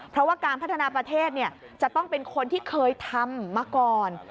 เพราะว่าการพัฒนาประเทศจะต้องเป็นคนที่เคยทำมาก่อน